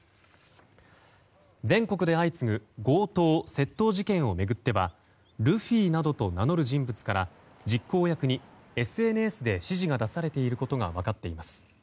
全国で相次ぐ強盗・窃盗事件を巡ってはルフィなどと名乗る人物から実行役にＳＮＳで指示が出されていることが分かっています。